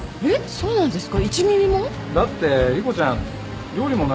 そうなんですか？